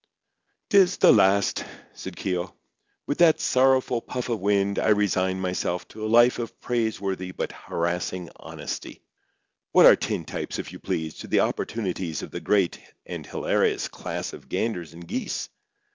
"'Tis the last," said Keogh. "With that sorrowful puff of wind I resign myself to a life of praiseworthy but harassing honesty. What are tintypes, if you please, to the opportunities of the great and hilarious class of ganders and geese?